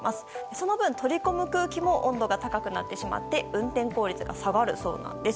その分取り込む空気も温度が高くなってしまって運転効率が下がるそうなんです。